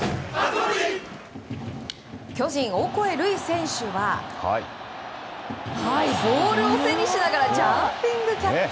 巨人、オコエ瑠偉選手はボールを背にしながらジャンピングキャッチ！